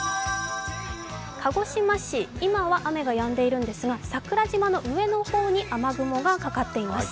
鹿児島市、今は雨がやんでいるんですが、桜島の上の方に雨雲がかかっています。